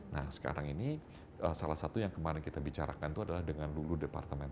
nah sekarang ini salah satu yang kemarin kita bicarakan itu adalah dengan dulu departemen